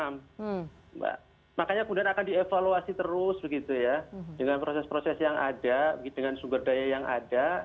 mbak makanya kemudian akan dievaluasi terus begitu ya dengan proses proses yang ada dengan sumber daya yang ada